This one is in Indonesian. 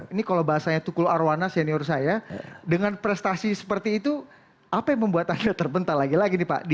ini kalau bahasanya tukul arwana senior saya dengan prestasi seperti itu apa yang membuat anda terbental lagi lagi nih pak